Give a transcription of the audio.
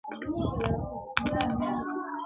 زما زړۀ کي فقط تۀ خلکو پیدا کړې ,